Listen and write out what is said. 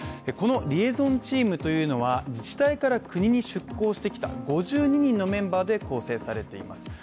このリエゾンチームというのは自治体から国に出向してきた５２人のメンバーで構成されています。